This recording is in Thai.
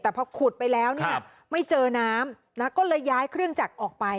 แต่พอขุดไปแล้วเนี่ยไม่เจอน้ำนะก็เลยย้ายเครื่องจักรออกไป